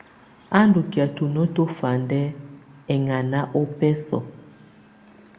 A ndù kɛ̀á tuno tùfandɛ ɛŋana ᴜbɛsɔ̀.